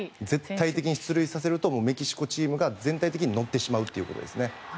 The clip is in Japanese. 絶対的に出塁させるとメキシコチームが全体的に乗ってしまうということですね。